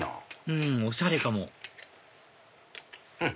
うんおしゃれかもうん！